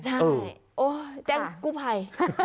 ใช่โอ้ยแจ้งกู้ภัย